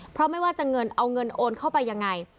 เพราะไม่ว่าจะเงินเอาเงินโอนเข้าไปยังไง